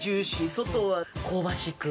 外は香ばしく。